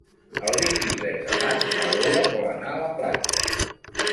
El vint-i-tres de maig na Lola vol anar a la platja.